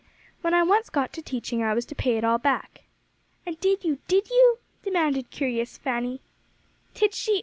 When I once got to teaching, I was to pay it all back." "And did you did you?" demanded curious Fanny. "Did she?